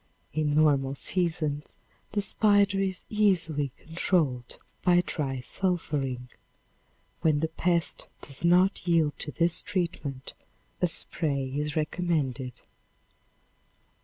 In normal seasons the spider is easily, controlled by dry sulphuring. When the pest does not yield to this treatment, a spray is recommended.